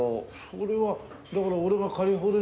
それはだから。